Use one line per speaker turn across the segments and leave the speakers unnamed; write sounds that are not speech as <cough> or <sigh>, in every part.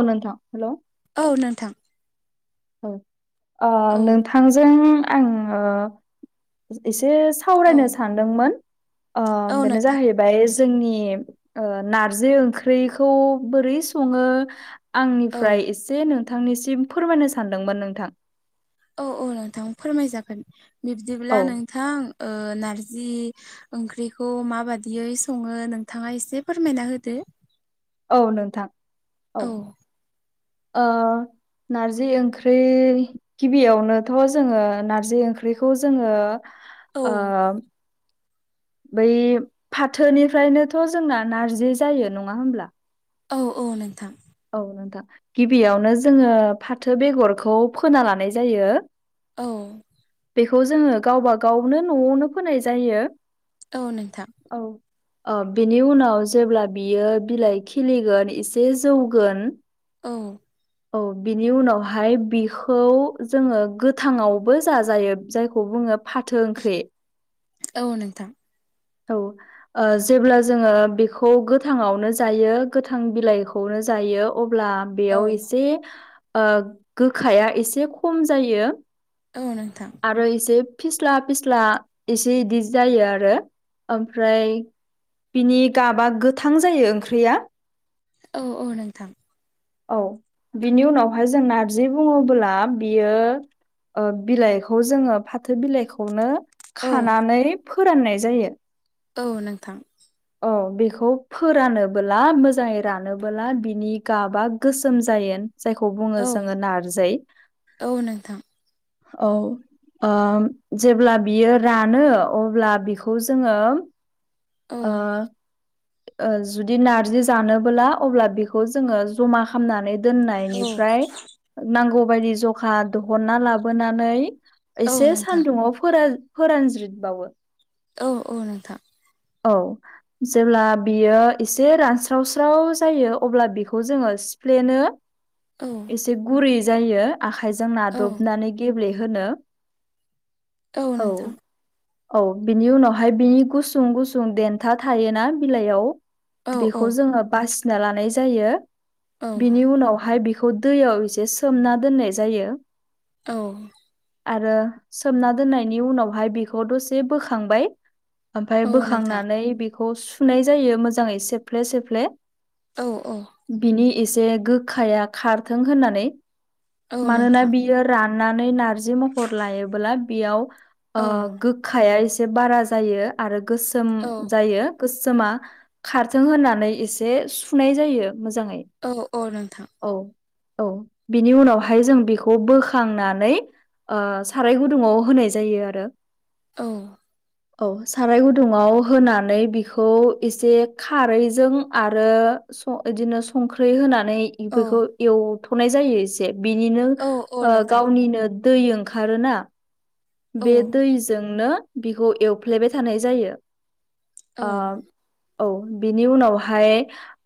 औ नोंथां हेल'।
औ नोंथां।
औ नोंथांजों आङो एसे
औ
सावरायनो सानदोंमोन
औ
बेनो
नोंथां
जाहैबाय ओमफ्राय जोंनि नारजि ओंख्रिखौ बोरै सङो
औ
आंनिफ्राय एसे नोंथांनिसिम फोरमायनो सानदोंमोन नोंथां
औ औ नोंथां फोरमायजागोन बिब्दिब्ला
औ
नोंथां नारजि ओंख्रिखौ माबाददियै सङो नोंथाङा एसे फोरमायना होदो
औ नोंथां औ ओ नारजि ओंख्रि गिबियावनोथ' जोङो नारजि ओंख्रिखौ जोङो
औ
ओ। बै फाथोनिफ्रायनोथ' जोंना नारजि जायो नङा होमब्ला
औ औ नोंथां।
औ नोंथां गिबियावनो जोङो फाथो बेगरखौ फोना लानाय जायो
औ
बेखौ जोङो गावबा गावनो न'आवनो फोनाय जायो।
औ नोंथां।
औ औ बिनि उनाव जेब्ला बियो बिलाइ खिलिगोन एसे जौ गोन
औ।
औ बिनि उनावहाय बिखौ जोङो गोथाङावबो जाजायो जायखौ बुङो फाथो ओंख्रि
औ नोंथां।
औ। जेब्ला जोङो बेखौ गोथाङावनो जायो गोथां बिलाइखौनो जायो अब्ला
औ
बेयाव एसे गोखाया एसे खम जायो।
औ नोंथां।
आरो इसे फिस्ला फिस्ला इसे इदि जायो आरो। ओमफ्राय बिनि गाबा गोथां जायो ओंख्रिया
औ औ नोंथां।
औ बिनि उनावहाय जों नारजि बुङोबोला बियो बिलाइखौ जोङो फाथो बिलाइखौनो
औ
खानानै फोराननाय जायो
औ नोंथां।
अ बेखौ फोरानबोला मोजाङै रानबोला बिनि गाबा गोसोम जायो। जायखौ बुङो
औ
जोङो नारजि
औ नोंथां
औ जेब्ला बियो रानो अब्ला बिखौ जोङो
औ
ओ जुदि नारजि जानोबोला अब्ला बेखौ जोङो जमा खालामनानै
औ
दोननायनिफ्राय नांगौबायदि जखा दहनना लाबोनानै
औ
एसे
नोंथां
सानदुङाव फोरान फोरानज्रितबावो।
औ औ नोंथां।
औ। जेब्ला बियो एसे रानस्रावस्राव जायो अब्ला बिखौ जोङो सिफ्लेनो
औ
एसे गुरै जायो आखाइजों
औ
नादबनानै गेब्लेहोनो औ। औ बिनि उनावहाय बि गुसुं गुसुं देन्था थायोना बिलाइयाव
औ औ
बेखौ जोङो बासिना लानाय जायो
औ
बिनि उनावहाय बे खौ दैयाव एसे सोमना दोननाय जायो
औ।
आरो सोमना दोननायनि उनावहाय बेखौ दसे बोखांबाय ओमफाय
औ नोंथां
बोखांनानै बेखौ सुनाय जायो मोजाङै सेफ्ले सेफ्ले
औ औ।
बिनि एसे गोखाया खारथों होननानै
औ
मानोना
नोंथां
बि यो राननानै नारजि महर लायोबोला बेयाव
औ
ओ गोख खाया एसे बारा जायो आरो गोसोम
औ
जायो गोसोमा खारथों होननानै एसे सुनाय जायो मोजाङै।
औ औ नोंथां।
औ औ बिनि उनावहाय जों बेखौ बोखांनानै ओ साराय गुदुङाव होनाय जायो आरो।
औ।
औ साराय गुदुङाव‌ होनानै बिखौ एसे खारैजों आरो स इदिनो संख्रि होना नै
औ
एफोरखौ एवथ'नाय जायो एसे बिनिनो
औ औ
ओ
नोंथां
गावनिनो दै ओंखारोना
औ
बे दैजोंनो बिखौ एवफ्लेबाय थानाय जायो
औ
ओ औ बिनि उनावहाय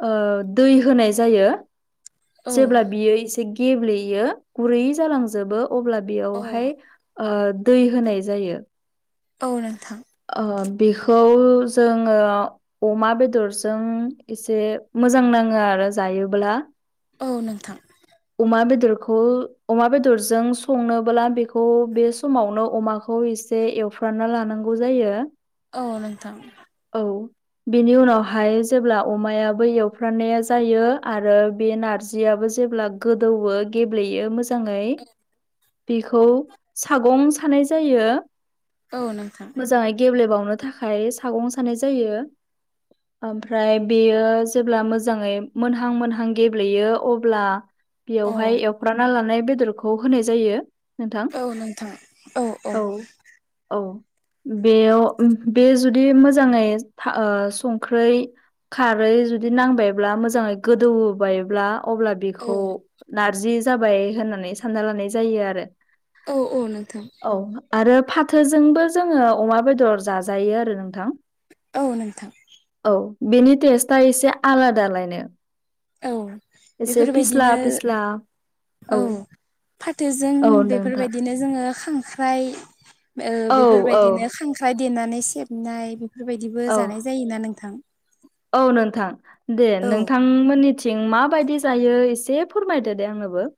ओ दै होनाय जायो।
औ
जेब्ला बियो एसे गेब्लेयो गुरै जालांजोबो अब्ला
औ
बेयावहाय ओ दै होनाय जायो।
औ नोंथां।
ओ बेखौ जोङो अमा बेदरजों एसे मोजां नाङो आरो जायोब्ला।
औ नोंथां।
अमा बेदरखौ अमा बेदरजों संनोबोला बेखौ बे समावनो अमाखौ एस एसे एवफ्रानना लानांगौ जायो।
औ नोंथां।
औ। बेनि उनावहाय जेब्ला अमायाबो एवफ्रानाया जायो आरो बे नारजि जियाबो जेब्ला गोदौवो गेब्लेयो मोज मोजाङै बेखौ सागं सानाय जायो।
औ नोंथां।
मोजाङै गेब्लेबावनो थाखाय सागं सानाय जायो। ओमफ्राय बेयो जेब्ला मोजाङै मोनहां मोनहां गेब्लेयो अब्ला
अ
बेवहाय एवफ्रामना लानाय बेदरखौ होनाय जायो। नोंथां औ औ। बेयाव ओम बे जुदि मोजाङै ओ संख्रै खारै जुदि नांबायब्ला मोजाङै गोदौ बायब्ला अब्ला
औ
बेखौ नारजि जाबाय होननानै सानना लानाय जायो आरो।
औ-औ नोंथां।
औ आरो फाथोजोंबो जोङो अमा बेदर जाजायो आरो नोंथां।
औ नोंथां।
औ बेनि टेस्टआ एसे आलादालायनो
औ
एसे फिस्ला
बेफोरबायदिनो
फिस्ला
औ फाथोजों
औ नोंथां
बेफोरबायदिनो जोङो खांख्राइ,
औ औ
बेफोरबायदिनो खांख्राइ देनानै सेबनाय बेफोरबायदिबो
औ
जानाय जायोना नोंथां।
औ नोंथां, दे
औ
नोंथां। ओम मोननिथिं माबायदि जायो एसे फोरमायदो दे आंनोबो?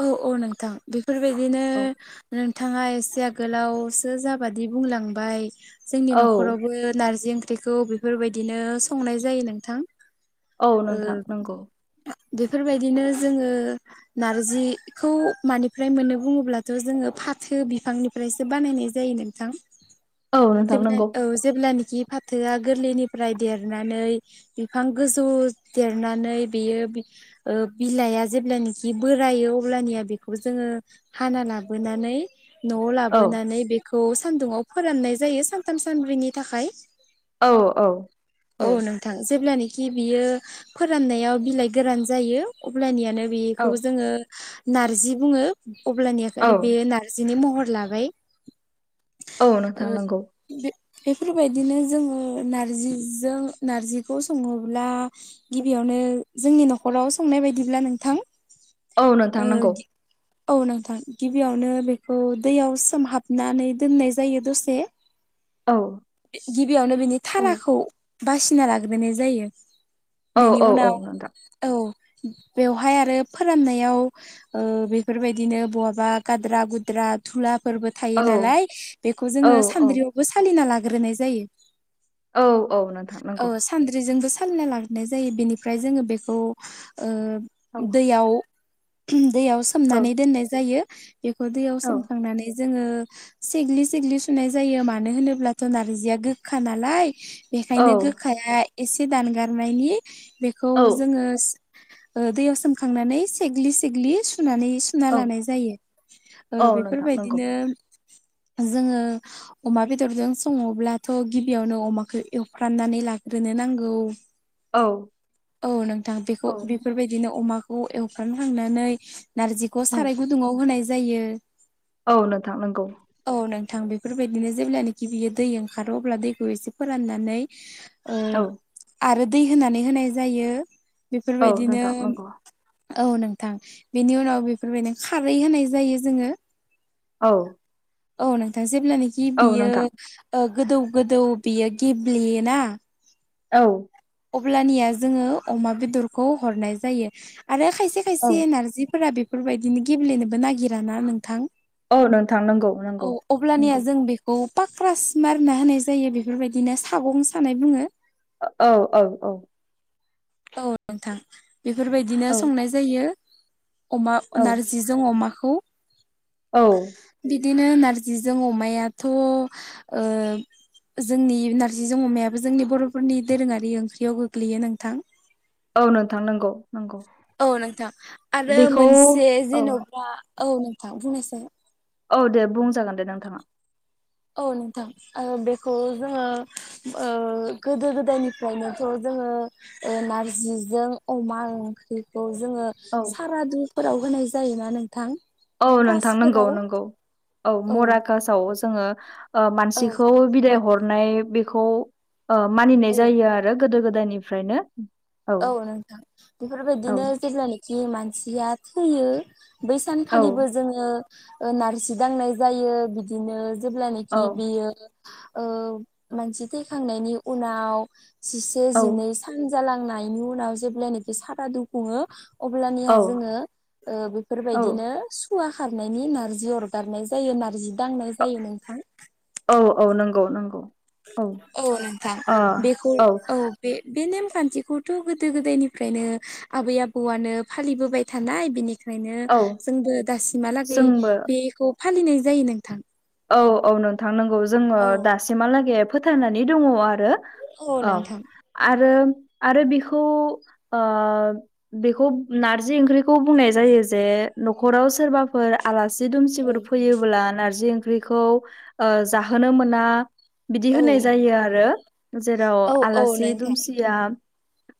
औ - औ नोंथां बेफोरबायदिनो
औ
नोंथांङा एसे आगोलावसो जाबादि बुंलांबाय जोंनि
औ
न'खरावबो नारजि ओंख्रिखौ बेफोरबायदिनो संनाय जायो नोंथां।
औ
अ
नोंथां नंगौ
बेफोरबायदिनो जोंङो नारजि खौ मानिफ्राय मोननो बुङोंब्लाथ' जोंङो फाथो बिफांनिफ्रायसो बानायनाय जायो नोंथां।
औ नोंथां
जेब्ला
नंगौ
औ जेब्लानखि फाथोआ गोरलैनिफ्राय देरनानै बिफां गोजौ देरनानै बेयो बि अ बिलाइआ जेब्लानोखि बोरायो अब्लानिया बेखौ जोंङो हाना लाबोनानै नआव
औ
लाबोनानै बे खौ सान्दुुंङाव फोराननाय जायो सानथाम सानब्रैनि थाखाय
औ औ।
औ नोंथां जेब्लानोखि बियो फोराननायाव बिलाइ गोरान जायो अब्लानियानो बे खौ जोंङो नारजि बुंङो अब्लानि
औ
खायनो बे नारज जिनि महर लाबाय
औ
अ
नोंथां नंगौ
बे बेफोरबायदिनो जोंङो नारजिजों नारजिखौ संङोब्ला गिबियावनो जोंनि न'खराव संनाय बायदिब्ला नोंथां
औ नोंथां
आ
नंगौ
औ नोंथां गिबियावनो बेखौ दैयाव सोमहाबनानै दोननाय जायो दसे
औ
<inaudible> गिबियावनो बिनि
औ
थाराखौ बासिना लाग्रोनाय जायो।
औ
बेनि
औ औ
उनाव
नोंथां
औ बेवहाय आरो। फोराननायाव अ बेफोरबायदिनो बहाबा गाद्रा गुद्रा थुलाफोरबो थायो
औ
नालाय बेखौ
औ
जोंङो
औ
सान्द्रियावबो सालिना लाग्रोनाय जायो।
औ औ नोंथां
ओ
नंगौ।
सान्द्रिजोंबो सालिना लाबोनाय जायो बेनिफ्राय जोंङो बेखौ ओ
औ
दैयाव दैयाव
औ
सोमनानै दोननाय जायो बेखौ दैयाव
औ
समखांनानै जोंङो सेग्लि सिग्लि सुनाय जायो मानो होनोब्लाथ' नार्जिया गोखा नालाय। बेखायनो गोखाया एसे दानगारनायनि बेखौ
औ
जोंङो अ दैयाव सोमखांनानै सेग्लि सेग्लि सुनानै सुना
औ
लानाय जायो। अ
औ नोंथां नंगौ
बेफोरबायदिनो जोंङो अमा बेदरजों संङोब्लाथ' गिबियावनो अमाखौ एवफ्रामनानै लाग्रोनो नांगौ।
औ
औ नोंथां बेखौ
औ
बेफोरबायदिनो अमाखौ एवफ्राम खांनानै नारजिखौ
औ
साराय गुदुंङाव होनाय जायो।
औ नोंथां नगौ।
औ नोंथां बेफोरबायदिनो जेब्लानाखि बियो दै ओंखारो अब्ला दैखौ एसे फोराननानै ओ
औ
आरो दै होनानै होनाय जायो
औ
बेफोरबायदिनो
नोंथां नंगौ
औ नोंथां बेनि उनाव बेफोरबायदिनो खारै होनाय जायो। जोंङो
औ
औ नोंथांङा जेब्लानोखि
औ
बियो
नोंथां
अ गोदौ गोदौ बियो गेब्लेयो ना
औ
अब्लानिया जोंङो अमा बेदरखौ हरनाय जायो आरो खायसे
औ
खायसे नारजिफोरा बेफोरबायदिनो गेब्लेनोबो नागिरा ना नोंथां
औ नोंथां नंगौ नंगौ
औ अब्लानिया
नंगौ
जों बे खौ पाक्रास मारना होनाय जायो बेफोरबायदिनो सागं सानाय बुंङो
औ औ औ
औ नोंथां बेफोरबायदिनो
औ
संनाय जायो अमा नारजि जों अमाखौ
औ
बिदिनो नारजिजों अमायाथ' ओ जोंनि नारजि ज अमायाबो जोंनि बर'फोरनि दोरोङारि ओंख्रियाव गोग्लैयो नोंथां
औ नोंथां नंगौ नंगौ
औ नोंथां आरो
बेखौ
मोनसे
औ
जेनेबा औ नोंथां बुंनोसै
औ दे बुंजागोन दे नोंथाङा
औ नोंथां बेखौ जोङो गोदो गोदायनिफ्रायनोथ' जोङो नारजिजों अमा ओंख्रिखौ जोङो
औ
सारादुफोराव होनाय जायोना नोंथां
औ नोंथां नंगौ
कासफोराव
नंगौ औ मराकासाव जोङो
औ
मानसिखौ बिदाय हरनाय बेखौ
औ
मानिनाय जायो आरो आरो गोदो गोदायनिफ्रायनो
औ नोंथां
औ
बेफोरबायदिनो जेब्लानाखि मानसिया थैयो बै
औ
सानखालिबो जोङो नारजि दांनाय जायो बिदिनो ओ
औ
जेब्लानाखि बेयो मानसि थैखांनायनि उनाव जिसे
औ
जिनै सान जालांनायनि उनाव जेब्लानखि सारा दुखुङो अब्लानिया
औ
जोङो
औ
बेफोरबायदिनो खुवा खारनायनि नारजि अरगारनाय जायो नारजि दांनाय जायो नोंथां
औ औ नंगौ नंगौ
औ नोंथां
ओ
बेखौ औ बे बे नेमखान्थिखौथ' गोदो गोदायनिफ्रायनो आबै आबौआनो फालिबोबाय थानाय बिनिखाय ओंखायनो
औ
जोंबो दासिमहालागै
जोंबो
बेखौ फालिनाय जायो नोंथां
औ औ नोंथां नंगौ जोङो
औ
दासिमहालागै फोथायांनानै दङ आरो औ आरो आरो बेखौ बेखौ नारजि ओंख्रिखौ बुंनाय जायो जे न'खराव सोरबा फोर आलासि
औ
दुमसिफोर फैयोब्ला नारजि ओंख्रिखौ जाहोनो मोना बिदि
औ
होनाय जायो आरो जेराव
औ औ
आलासि
नोंथां
दुमसिया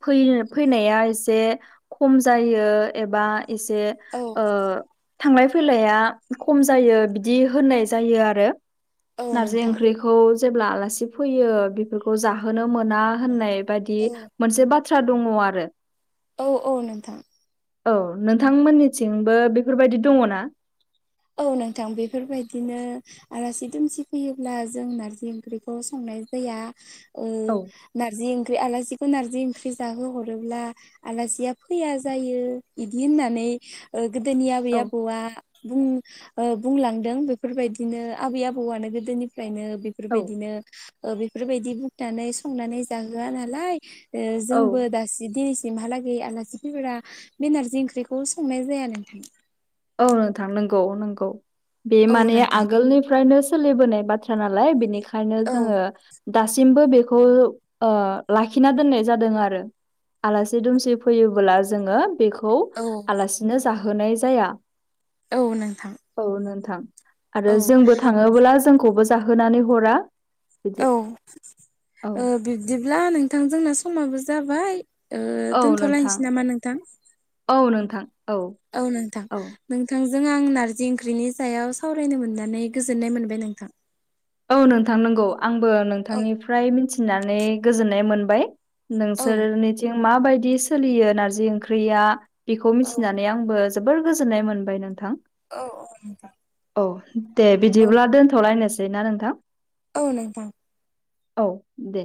फै फैनाया एसे खम जायो एबा एसे
औ।
थांलाय फैलाया खम जायो बिदि होननाय जायो आरो
औ
नारजि
नोंथां
ओंख्रिखौ खौ जेब्ला आलासि फैयो बेफोरखौ जाहोनो मोना होननाय बाददि
औ
मोनसे बाथ्रा दङ आरो
औ औ नोंथां
औ नोंथांमोननिथिंबो बेफोरबायदि दङ ना
औ नोंथां बेफोरबायदिनो आलासि दुमसि फैयोब्ला जों नारजि ओंख्रिखौ संनाय जाया
औ
नारजि ओंख्रि आलासिखौ नारजि ओंख्रि जाहो हरोब्ला आलासिया फैया जायो बिदि होननानै गोदोनि आबै
औ
आबौआ बुं बुंलांदों। बेफोरबायदिनो आबै आबौआनो गोदोनिफ्रायनो
औ
बेफोरबायदिनो बेफोरबायदि बुखनानै संनानै जाहोआ नालाय।
औ
जोंबो दासिदि सिमहालागै आलासि फैगब्ला बे नारजि ओंख्रिखौ संनाय जाया नोंथां।
औ नोंथां नंगौ नंगौ। बे
औ
माने
नोंथां
आगोलनिफ्रायनो सोलिबोनाय बाथ्रा नालाय बेनिखायनो
औ
जोङो दासिमबो बे खौ लाखिना दोननाय जादों आरो। आलासि दुमसि फैयोबोला जोङो बेखौ
औ
आलासिनो जाहोनाय जाया।
औ नोंथां।
औ नोंथां
औ
आरो जोंबो थाङोब्ला जोंखौबो जाहोनानै हरा। बिदि
औ
औ
बिब्दिब्ला नोंथां जोंना समाबो जाबाय।
नोंथां
दोनथ'लायनोसै नामा नोंथां।
औ नोंथां।
औ नोंथां।
औ
नोंथांजों आं नारजि ओंख्रिनि सायाव सावरायनो मोननानै गोजोननाय मोनबाय नोंथां।
औ नोंथां नंगौ आंबो
औ
नोंथांनिफ्राय मिथिनानै गोजोननाय मोनबाय।
औ
नोंसोरनिथिं माबायदि सोलियो नारजि ओंख्रिया बेखौ
औ
मिथिनानै आंबो जोबोर गोजोननाय मोनबाय नोंथां।
औ औ।
औ दे
औ
बिदिब्ला दोनथ'लायनोसै ना नोंथां।
औ नोंथां।
औ दे।